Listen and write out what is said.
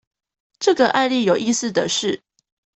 這個案例有意思的是